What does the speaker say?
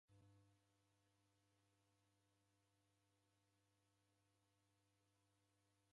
Kibarua chefunda ni cha ighu kuchumba vose.